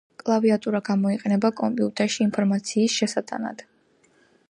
კლავიატურა გამოიყენება კომპიუტერში ინფორმაციის შესატანად